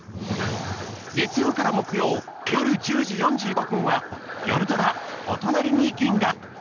月曜から木曜、夜１０時４５分は夜ドラ「おとなりに銀河」。